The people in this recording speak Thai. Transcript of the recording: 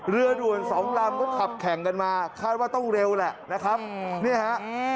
เรือด่วนสองลำก็ขับแข่งกันมาคาดว่าต้องเร็วแหละนะครับเนี่ยฮะ